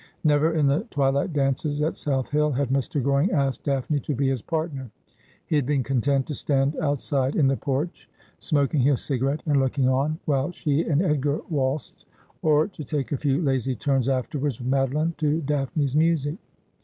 Never in the twilight dances at South Hill had Mr. Goring asked Daphne to be his partner. He had been content to stand out side in the porch, smoking his cigarette, and looking on, while she and Edgar waltzed, or to take a few lazy turns afterwards with Madoline to Daphne's music.